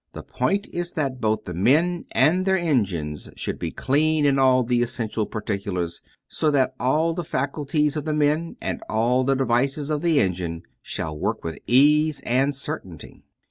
The point is that both the men and their engines should be clean in all the essential particulars, so that all the faculties of the men and all the devices of the engine shall work with ease and certainty.